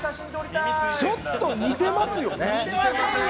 ちょっと似てますよね？